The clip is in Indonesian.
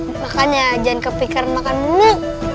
makan ya jangan kepikiran makan mulu